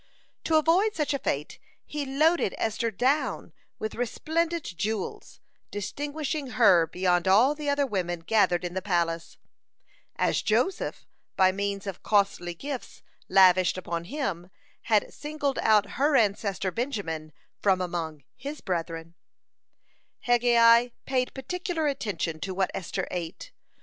To avoid such a fate, he loaded Esther down with resplendent jewels, distinguishing her beyond all the other women gathered in the palace, as Joseph, by means of costly gifts lavished upon him, had singled out her ancestor Benjamin from among his brethren. Hegai paid particular attention to what Esther ate.